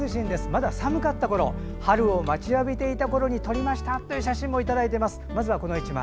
まだ寒かったころ春を待ちわびていたころに撮りましたという写真をいただいています。